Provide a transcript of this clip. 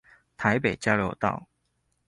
臺北交流道